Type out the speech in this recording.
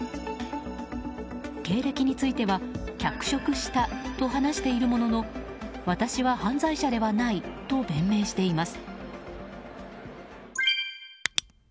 経歴については脚色したと話しているものの私は犯罪者ではないと弁明しています。